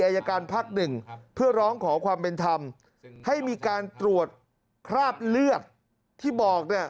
อายการพักหนึ่งเพื่อร้องขอความเป็นธรรมให้มีการตรวจคราบเลือดที่บอกเนี่ย